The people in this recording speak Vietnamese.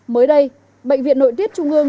mới đây bệnh viện nội tiết trung ương